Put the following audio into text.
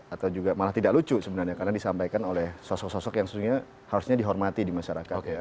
atau juga malah tidak lucu sebenarnya karena disampaikan oleh sosok sosok yang sesungguhnya harusnya dihormati di masyarakat